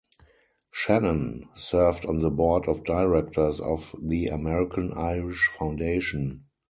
Shannon served on the board of directors of the American Irish Foundation.